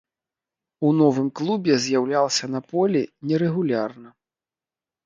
У новым клубе з'яўляўся на полі нерэгулярна.